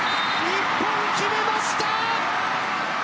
日本、決めました。